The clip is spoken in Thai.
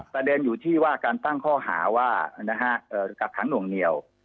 ประเด็นอยู่ที่ว่าการตั้งข้อหาว่ากักขังหน่วงเหนียว